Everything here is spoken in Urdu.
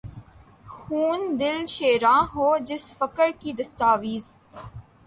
خون دل شیراں ہو، جس فقر کی دستاویز